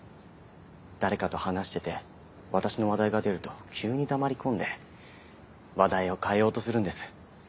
誰かと話してて私の話題が出ると急に黙り込んで話題を変えようとするんです。